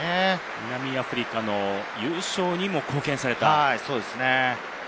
南アフリカの優勝にも貢献されました。